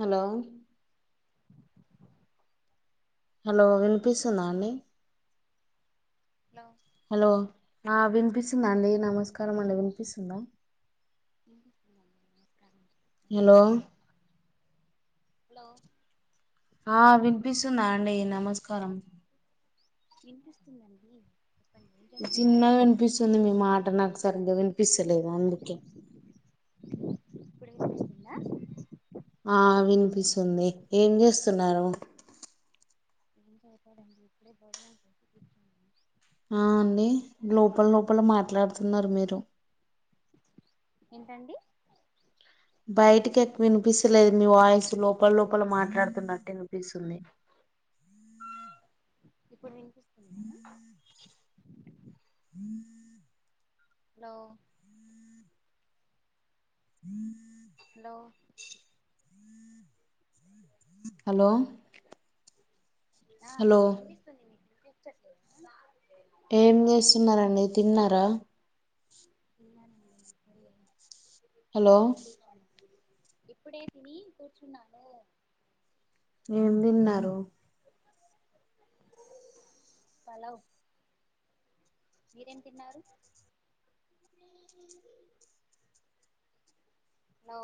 Hello hello వినిపిస్తుందా అండి hello ఆ వినిపిస్తుందా అండి నమస్కారం అండి వినిపిస్తుందా నమస్కారం ఏమి హలో చేస్తున్నారు. హలో ఆ వినిపిస్తుందా అండి నమస్కారం వినిపిస్తుందండి చెప్పండి ఏం చేస్తున్నారు చిన్నగా వినిపిస్తుంది మీ మాట నాకు సరిగ్గా వినిపిస్తలేదు అందుకే ఇప్పుడు వినిపిస్తుందా ఆ వినిపిస్తుంది ఏం చేస్తున్నారు ఎం చేయట లేదు అండి ఇప్పుడే బోజనం చేసి కుర్చున్నాం ఆ అండి లోపల లోపల మాట్లాడుతున్నారు మీరు ఏంటండి బయటకి ఎక్కువ వినిపిస్తలేదు మీ వాయిస్ లోపల లోపల మాట్లాడుతున్నట్టు వినిపిస్తుంది హ ఇప్పుడు విని హ హాలో హ హలో హలో ఆ హలో నాకు వినిపిస్తుంది మీకు వినిపించుట లేదా ఏం చేస్తున్నారు అండి తిన్నారా తిన్ననండి ఇప్పుడే హలో ఇప్పుడే తిని కూర్చున్నా ఇప్పుడే తిని కూర్చున్నాను ఏం తిన్నారు పలావ్ మీరేం తిన్నారు అ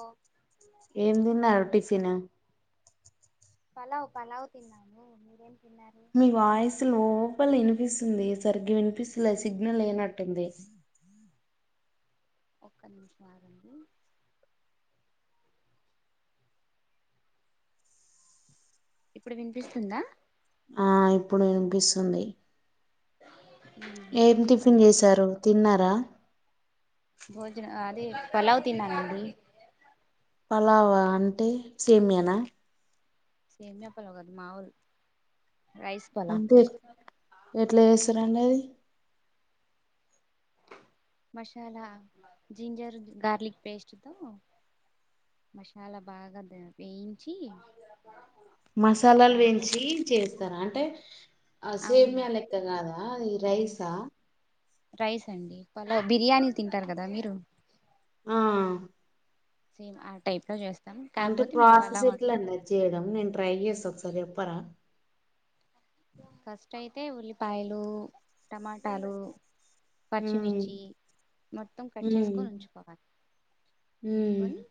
ఏం తిన్నారు టిఫన్ పలావ్ పలావ్ తిన్నాను మీరేం తిన్నారు మీ వాయిసు లోపలి వినిపిస్తుంది సరిగ్గా వినిపిస్త స సగ్నల్ ఏనాటుంది ఒక్క నిమిషం ఆగండి ఇప్పుడు వినిపిస్తుందా ఆ ఇప్పుడు వినిపిస్తుంది మ్మ్ ఏం టిఫిన్ చెప్పండి చేసారు తిన్నారా భోజనం పలావ్ తిన్న అండి పలావా అంటే సేమ్యా నా సేమ్యా పలావ్ కాదు మామూల్ అంటే ఎట్లా చేస్తారుండి అది మసాలా జింజర్ గార్లిక్ పేస్ట్తో మసాలా బాగా వేయించి మసాలాలు దాంట్లో వెంచి చేస్తార అంటే ఆ సేమ్య అవును లెక్క కాదా అది రైసా రైస్ అండి పలా బిర్యానీ తింటారు కదా మీరు ఆ సేమ్ ఆ టైప్ లో చేస్త అంటే ప్రాసెస్ ఎట్లండి అది చేయడం నేను ట్రై చేస్తాఒకసారే చెప్పరా ఫస్ట్ అయితే ఉల్లిపాయలు టమాటాలు ఉమ్ పరిచిమిర్చి మొత్తం కట్ ఉమ్ చేసుకొని ఉంచుకోవాలి ఉమ్ ఉంచుకొని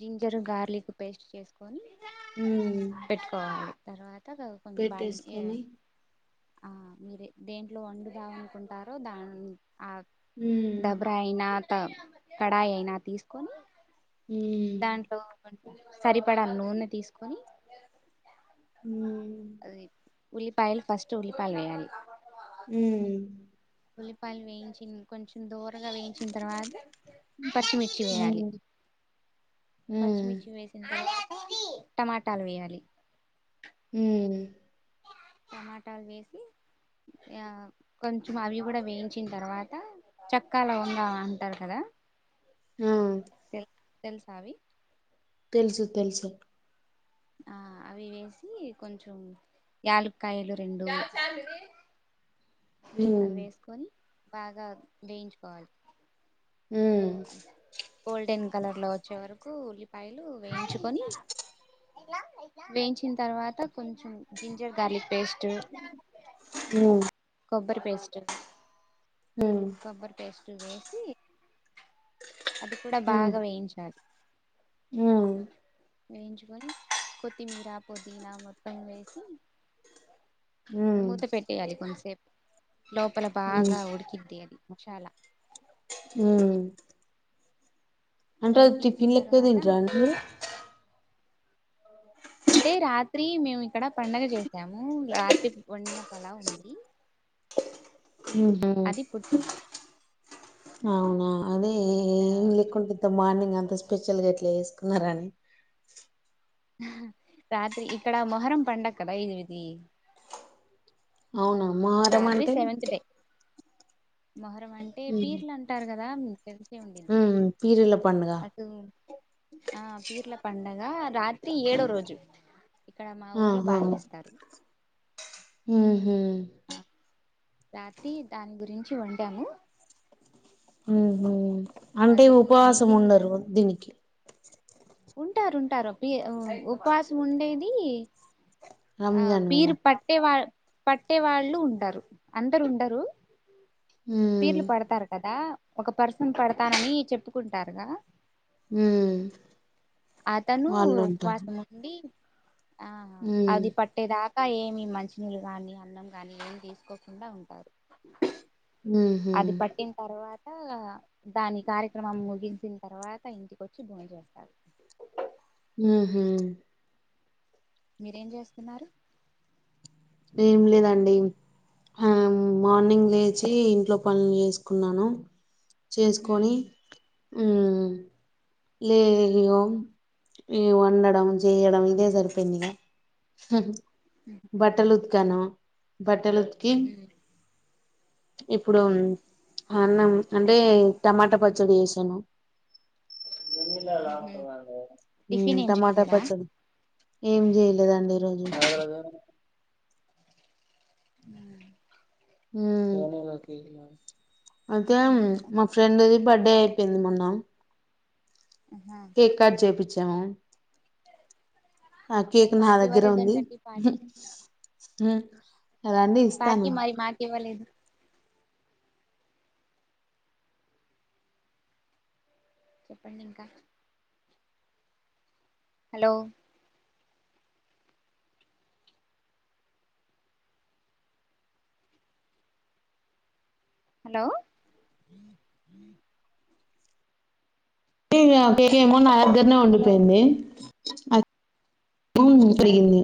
జింజరు గార్లిక్ పేస్ట్ చేసుకొని ఉమ్ పెట్టుకోవాలి తర్వాత ఇ కొన్ని బాండి ఏంది ఆ మీరు దేంట్లో వండుదాం అనుకుంటారో దాని ఆ ఉమ్ దబరా అయినా త కడాయి అయినా తీసుకొని దాంట్లో సరిపడా నూనె తీసుకొని ఉ అది ఉల్లిపాయల్ ఫస్ట్ ఉలిపాయల్ కయాలి ఉమ్ ఉల్లిపాయలు వేయించిన కొంచెం దూరగా వేయించిన తర్వాత పచ్చిమిర్చి వేయాలి ఉమ్ పచ్చిమిర్చి వేసిన తర్వాత టమాటాలు వేయాలి హ టమాటాలు వేసి ఆ కొంచెం అవి కూడా వేయించిన తర్వాత చెక్క లవంగ అంటారు కదా ఆ తెలుసావి తెలుసు తెలుసు ఆ అవి వేసి కొంచెం యాలక్కయలు రెండు ఉమ్ అవి వేసుకొని బాగా వేయించుకోవాలి ఉమ్ గోల్డెన్ కలర్ లో వచ్చే వరకు ఉల్లిపాయలు వేయించుకొని వేయించిన తర్వాత కొంచం జింజర్ గార్లిక్ పేస్ట్ ఆ కొబ్బరి పేస్ట్ ఉమ్ కొబ్బరి పేస్ట్ వేసి అది కూడా ఉమ్ బాగా వేయించాలి ఉమ్ వేయించుకొని కొత్తిమీర పుదీనా మొత్తం వేసి ఉమ్ మూత పెట్టేయాలి కొంసేపు లోపల బాగా ఉడికిద్ది అది మసాలా ఊ అంటే ఉడికించిన టిపిన్ లెక్క తర్వాత తింటారా అండి మీరు అంటే రాత్రి మేము ఇక్కడ పండగ చేసాము రాత్రి వండిన పలావ్ ఉంది ఉహు అది ఇప్పుడు తిన్నాం అవునా అదే ఇక్కడ ఏం లేకుంటే ఇంత మార్నింగ్ అంత స్పెషల్ గా ఎట్లా చేసుకున్నారని ఆహ రాత్రి ఇక్కడ మొహరం పండగ కదా ఇది అవునా మోహరం రాత్రి అంటే సెవెంత్ డే మొహరం అంటే ఉమ్ పీర్లు అంటారు కదా ఉండిద్దీ ఉమ్ పీరీల పండుగ అటు ఆ పీర్ల పండగ కదా రాత్రి ఏడోరోజు ఇక్కడ మా ఊర్లో ఆహా బాగా చేస్తారు హు ఆ రాత్రి దాని గురించి వండామూ ఊహు అంటే ఉపవాసం మిగిలిందిగా ఉండరు దీనికి ఉంటారు ఉంటారు పి ఉపవాసం ఉండేది ఆ రంజాన్ కదా పీరు పట్టె వాళ్ళు పట్టే వాళ్ళు ఉంటారు అందరు ఉండరు ఉమ్ పీర్లు పడతారు కదా ఒక పర్సన్ పడతానని చెప్పుకుంటారుగా హు అతను ఉపవాసం ఉండి ఆహా ఉమ్ అది పట్టే దాకా ఇంకా ఏమి మంచినీళ్ళు కానీ అన్నం గాని ఏమి తీసుకోకుండా ఉంటారు ఉహు అది పట్టిన తర్వాత దాని కార్యక్రమం ముగించిన తర్వాత ఇంటిక వచ్చి భోంచేస్తారు ఉహూ మీరు ఏమ్ చేస్తున్నారు ఏమి లేదండి ఆ మార్నింగ్ లేచి ఇంట్లో పనులు చేసుకున్నాను చేసుకొని ఉమ్, ఊ లేయో ఇగ వండడం చేయడం ఇదే సరిపోయింది ఇగ ఉమ్, బట్టలు ఉతికాను బట్టలు ఉతికి ఉమ్, ఇప్పుడు అన్నం అంటే టమాటా పచ్చడి చేసాను ఉమ్. ఊ టిఫిన్ ఏం టమాటా చేయలేదా పచ్చడి ఏం చేయలేదండి ఈరోజు ఉ ఊ అయితే ఏంటండి ఇంకా మా ఫ్రెండ్ ది బర్త్డే అయిపోయింది మొన్న ఆహా. కేక్ కట్ చేపీచ్చాము ఆ కేక్ మరి నా మాకు దగ్గర ఉంది ఇవ్వలేదేంటండి పార్టీ రండి ఇస్తాను పార్టీ మరి నాకీ ఇవ్వలేదు చెప్పండి ఇంకా హలో హలో ఇగ పెకె ఏమో నా దగ్గరనే హలో ఉండిపోయింది అప్ ఓ అడిగింది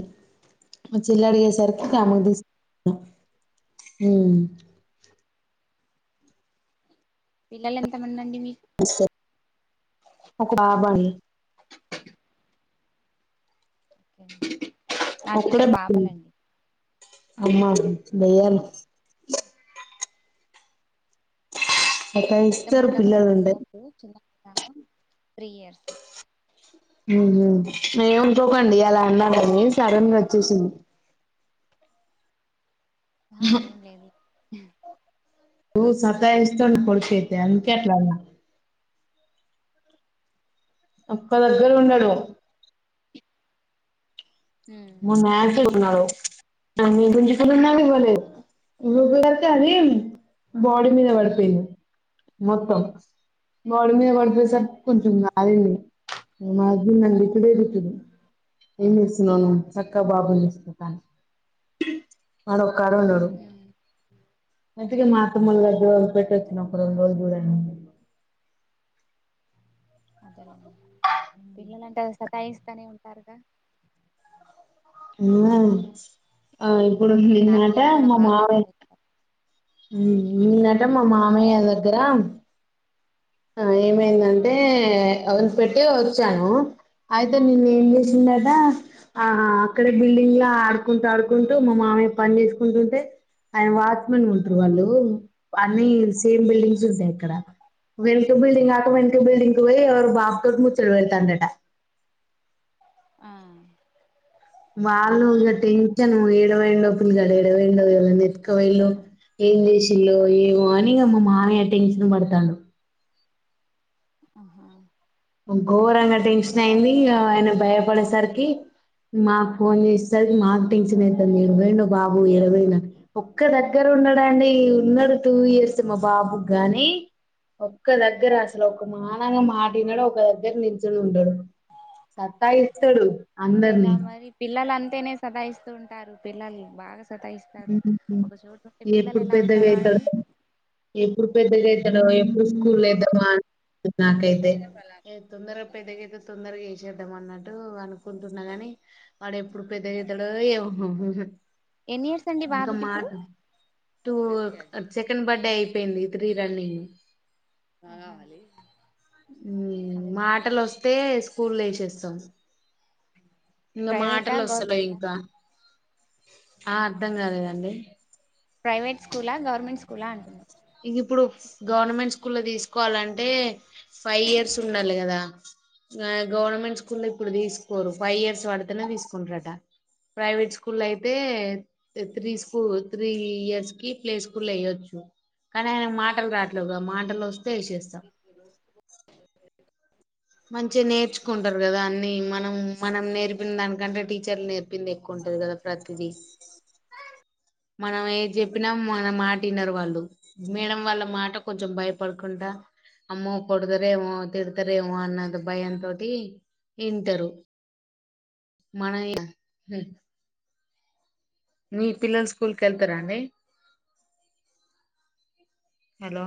మా చెల్లి అడిగేస్ సరికి ఆ ఆమెకి తీస్ ఉమ్ పిల్లలు ఎంతమంది అండి మీక్ ఒక ఆబాయి నాకు ఇద్దరు పాపలండి అమ్మబు బెయ్యలే పెద్ద సతాయిస్తారు అమ్మాయ్ కేమో సిక్స్ పిల్లలుంటే ఇయర్స్ చిన్న మయ్ కేమో త్రీ ఇయర్స్ ఉ ఉ ఏమనుకోకండి అలా అన్నానని సడన్గా వచ్చేసింది ఆ అదేం లేదు ఊ సతా ఇస్తం పల్కైతే అందుకే అట్లన్నా ఒక్క దగ్గర అలాగా ఉండడు మా మ్యాస్ టీచ్ ఉన్నాడు మీ గుంరించి ఉన్నారు బలే నుగులతే అది బాడీ మీద పడిపోయింది మొత్తం బాడీ మీద పడి పోయేసరికి కొంచెం కాలింది మాది నన్ను తిప్పుడే తిప్పింది ఎంచెచనావ్ చక్క గ బాబుని చూసుకుంటా వాడు ఒకడో ఉండడు అందుకే మా అత్తమ్మ వొళ్ళ దగ్గర వదిలి పెట్టొచ్చిన ఒక రెండ్రోజులు చూడని పిల్లలంటే సతాయిస్తనే ఉంటారుగా ఇంగ ఆ ఇప్పుడు నా నిన్నట పిల్లలు కూడా మా బాగా మావయ్ సతాయిస్తారు ఉమ్ నిన్నట మా మామయ్య దగ్గర ఆ ఉమ్ ఏమైందంటే వదిలి పెట్టే వచ్చాను అయితే నేను ఏంమ్ చే ఇన్నదా ఉమ్ ఆహా అక్కడే బిల్డింగ్ లా ఆడుకుంటూ ఆడుకుంటూ మా మామయ్య పని చేసుకుంటుంటే ఆయన్ వా పమెంట్ ఉంటారు ఉమ్ వాళ్ళు అన్ని సేమ్ బిల్డింగ్స్ ఉంటాయి అ క్కడ వెనుక్ బిడింగ్క వెనుక ఉమ్ బిడింగ్కి పోయిరు బాబుతో ముచ్చడి వెళ్తాంటట ఆ వాళ్ళు ఇకా టెన్షన్ ఏడ వోయిండో పిలగాడు ఏడవోయిండో ఎతుక వోఇన్డో ఏం చేేసీల్లో ఏమో అని మా మామయ్య ఇంగ టెన్షన్ పడతాన్ డు ఆహా ఘోరంగా టెన్షన్ ఇక్కడ అయింది ఆయన భయపడేసరికి మాకు ఫోన్ చేసేసరికి మాకు టెన్షన్ అయ్తన్ది ఏడవోయిండో బాబు ఎడవోయిండో అని ఒక్క దగ్గర ఉండడండీ ఉన్నాడు టూ ఇయర్స్ మా బాబు గాని ఒక్క దగ్గర అసలు ఒక మానం గా మాటినడు ఒక దగ్గర నిల్చుని ఉండడు సత్తాయిస్తడు అంతేగా అందరినీ మరి పిల్లలు అంతేనే సతయిస్తూ ఉంటారు పిల్లలు బాగా సతాయిస్తారు ఉమ్. ఒక చోటు ఉంటే పిల్లలు ఎలా అవుతారు వాళ్ళు ఎప్పుడు పెద్దగయితడో ఎప్పుడు స్కూల్ ఏ నాకైతే తొందర ఇగ తొందరగా పెద్దగైతే తొందరగా ఏసే పెద్ద అన్నట్టు అనుకుంటున్నా గాని వాడు ఎప్పుడు పెద్ద గ అయితాడో ఏమో ఎన్ని ఇయర్స్ అండి ఇంకా బాబుకి ఇప్పుడు మాటం టూ సెకండ్ బర్డే యి పోయింది త్రీ రన్నింగ్ కావాలి ఉమ్ మాటలు వస్తే స్కూల్ వేసేస్తాం ఇంకా ప్రైవేటా మాటలు గవర్ వస్తలే ఇంకా ఆ అర్థం కాలేదండి ప్రైవేట్ స్కూలా గవర్మెంట్ స్కూలా అండి ఇగ ఇప్పుడు గవర్నమెంట్ స్కూల్లో తీసుకోవాలంటే ఫైవ్ ఇయర్స్ ఉండాలే కదా గవర్నమెంట్ స్కూల్ ఇప్పుడు తీసుకోరు ఫైవ్ ఇయర్స్ పడితేనే తీసుకుంటారట ప్రైవేట్ స్కూల్ అయితే త్రీ స్కూల్ త్రీ ఇయర్స్ కి ప్లే స్కూల్ వయొచ్చు కానీ ఆయనకు మాటలు రాట్లేదుగా మాటలు వస్తే ఎసేస్తా మంచిగా నేర్చుకుంటారు కదా అన్ని మన్ నం మనం నేర్పిన దానికంటే టీచర్లు నేర్పింది ఎక్కువ ఉంటది కదా ప్రతిదీ [unintelligible] [inaudible] మనం ఏ చెప్పినా మన మాట విన్నారు వాళ్ళు మేడం వాళ్ళ మాట కొంచెం భయపడుకుంట అమ్మో కొడతరేమో తిడతారేమో అన్న భయ తోటి వింటారు మనయా [unintelligible] [inaudible] మీ పిల్లల స్కూల్ క వెళ్తారా అడి హలో